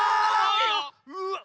うわっ